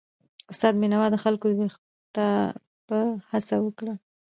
استاد بینوا د خلکو د ویښتابه هڅه وکړه.